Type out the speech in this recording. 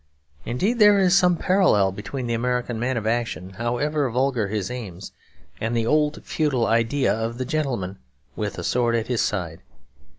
Indeed, there is some parallel between the American man of action, however vulgar his aims, and the old feudal idea of the gentleman with a sword at his side.